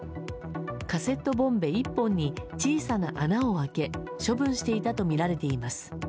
カセットボンベ１本に小さな穴を開け処分していたとみられています。